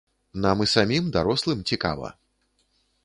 Нам і самім, дарослым, цікава.